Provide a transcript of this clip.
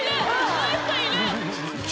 こういう人いる！